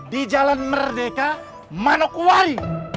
di jalan merdeka manok wari